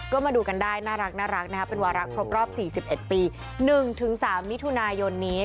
ก็มาดูกันได้น่ารักนะครับเป็นวาระครบรอบ๔๑ปี๑๓มิถุนายนนี้